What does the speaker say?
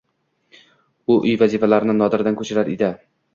U uy vazifalarini Nodirdan ko‘chirar edi.